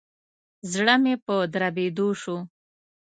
زړه مي په دربېدو شو.